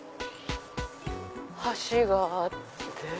橋があって。